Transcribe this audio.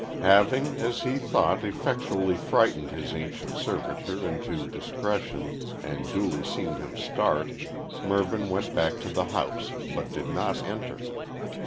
Having, as he thought, effectually frightened his ancient servitor into discretion, and duly seen him start, Mervyn went back to the house, but did not enter.